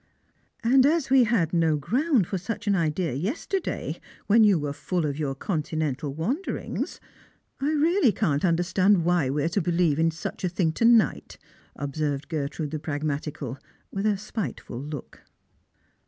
" And as we had no ground for such an idea yesterday, when you were full of your continental wanderings, I really can't understand why we are to believe in such a thing to night," ob served Gertrude the jsragmatical, with a spiteful look.